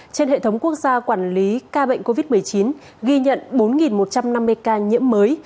trên hệ thống quốc gia quản lý ca bệnh covid một mươi chín ghi nhận bốn một trăm năm mươi ca nhiễm mới